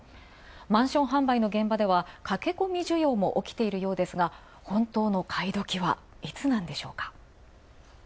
マンション販売の現場では駆け込み需要もおきているようですが、本当の買い時はいつなんでしょうか？